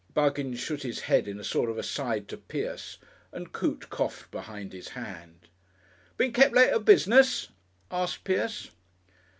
Buggins shook his head in a sort of aside to Pierce and Coote coughed behind his hand. "Been kep' late at business?" asked Pierce.